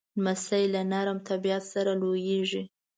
لمسی له نرم طبیعت سره لویېږي.